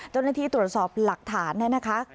เจ้าหน้าที่ตรวจสอบหลักฐานเนี่ยนะคะ